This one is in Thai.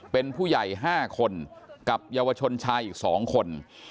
เป็นผู้ใหญ่๕คนกับเยาวชนชายอีก๒คน